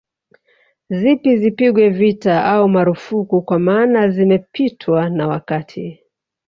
Zipi zipigwe vita au marufuku kwa maana zimepitwa na wakati